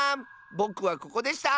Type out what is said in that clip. ぼくはここでした！